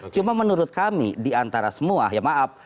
cuma menurut kami diantara semua ya maaf